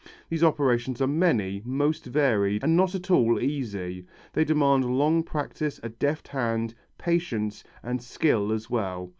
These operations are many, most varied and not at all easy. They demand long practice, a deft hand, patience and skill as well.